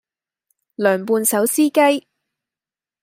涼拌手撕雞